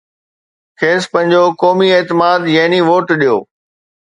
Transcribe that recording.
کيس پنهنجو قومي اعتماد يعني ووٽ ڏيو